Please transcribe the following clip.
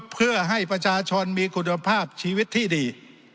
เพื่อให้ประชาชนมีคุณภาพชีวิตที่ดี